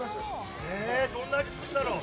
どんな味するんだろう。